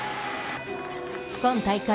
今大会